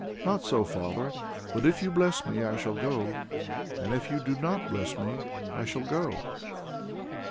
"Not so, father. But if you bless me I shall go; and if you do not bless me I shall go."